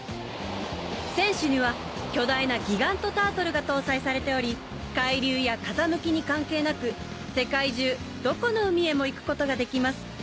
船首には巨大なギガントタートルが搭載されており海流や風向きに関係なく世界中どこの海へも行くことができます。